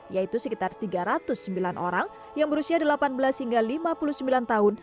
yaitu sekitar tiga ratus sembilan orang yang berusia delapan belas hingga lima puluh sembilan tahun